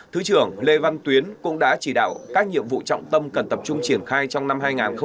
thứ trưởng lê văn tuyến cũng đã chỉ đạo các nhiệm vụ trọng tâm cần tập trung triển khai trong năm hai nghìn hai mươi